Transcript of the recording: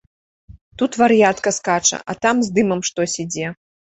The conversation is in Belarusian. Тут вар'ятка скача, а там з дымам штось ідзе.